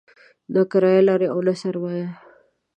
نه کرايه لري او نه سرمایه.